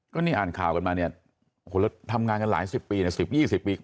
ก็นี่อ่านข่าวกันมาเนี่ยโอ้โหแล้วทำงานกันหลายสิบปีเนี่ย๑๐๒๐ปี